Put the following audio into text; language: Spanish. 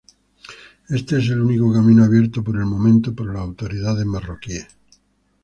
Este es el único camino abierto por el momento por las autoridades marroquíes.